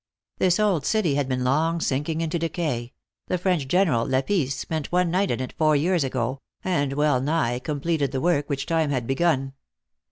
This old city had been long sinking into decay ; the French General, Lapisse, spent one night in it four years ago ; and well nigh completed the work which time had bui^mi.